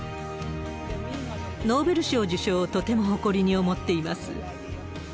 ノーベル賞受賞をとても誇りに思っています。